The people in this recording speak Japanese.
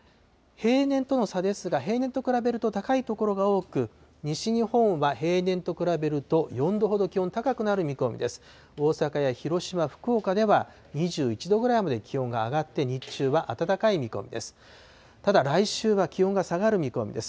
平年との差ですが、平年と比べると高い所が多く、西日本は平年と比べると、４度ほど、気温高くなる見込みです。